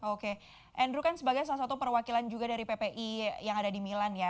oke andrew kan sebagai salah satu perwakilan juga dari ppi yang ada di milan ya